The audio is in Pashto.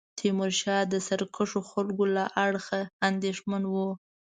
تیمورشاه د سرکښو خلکو له اړخه اندېښمن وو.